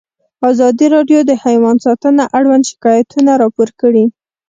ازادي راډیو د حیوان ساتنه اړوند شکایتونه راپور کړي.